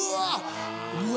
うわ！